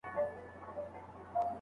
پيغلي چي نن خپل